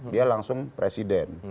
dia langsung presiden